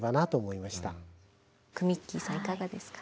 いかがですか？